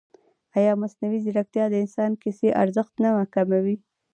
ایا مصنوعي ځیرکتیا د انساني کیسې ارزښت نه کموي؟